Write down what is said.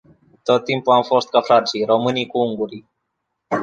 Tot timpul am fost ca frații, românii cu ungurii.